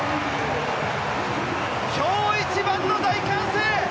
今日一番の大歓声！